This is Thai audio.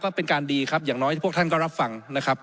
ก็เป็นการดีครับอย่างน้อยพวกท่านก็รับฟังนะครับ